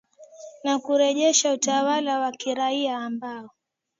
na kurejesha utawala wa kiraia ambao